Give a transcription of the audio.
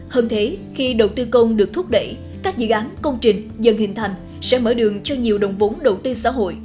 hơn thế khi đầu tư công được thúc đẩy các dự án công trình dần hình thành sẽ mở đường cho nhiều đồng vốn đầu tư xã hội